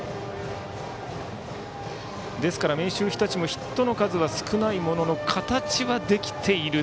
ですから明秀日立もヒットの数は少ないものの形はできている。